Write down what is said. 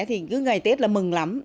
thì cứ ngày tết là mừng lắm